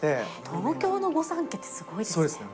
東京の御三家ってすごいですね。